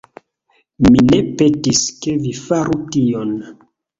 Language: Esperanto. Mi ne petis, ke vi faru tion...